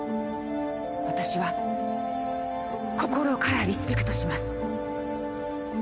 私は心からリスペクトします。